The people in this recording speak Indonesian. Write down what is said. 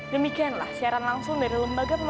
demikianlah siaran langsung dari lembaga pemasyarakatan cirata